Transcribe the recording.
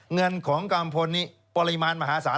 เงินของกัมพลนี้ปริมาณมหาศาล